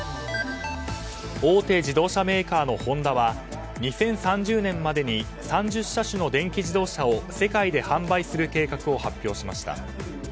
大手自動車メーカーのホンダは２０３０年までに３０車種の電気自動車を世界で販売する計画を発表しました。